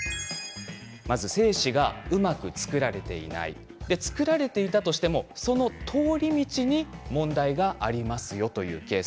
精子がうまく作られていない作られていたとしてもその通り道に問題がありますよというケース。